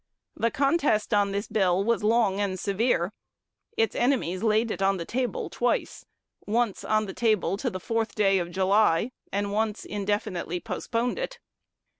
The contest on this bill was long and severe. Its enemies laid it on the table twice, once on the table to the fourth day of July, and once indefinitely postponed it.